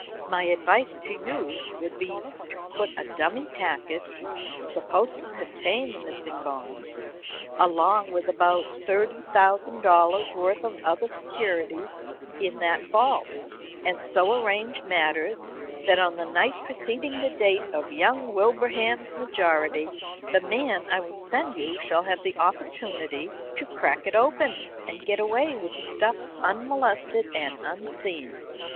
My advice to you would be to put a dummy package, supposed to contain the missing bonds, along with about $30,000 worth of other securities in that vault, and so arrange matters that on the night preceding the date of young Wilbraham's majority, the man I will send you shall have the opportunity to crack it open and get away with the stuff unmolested and unseen.